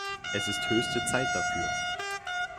Es ist höchste Zeit dafür.